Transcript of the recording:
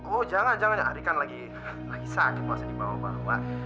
oh jangan jangan ari kan lagi sakit mau saya dibawa bawa